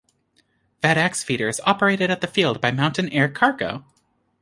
FedEx Feeder is operated at the field by Mountain Air Cargo.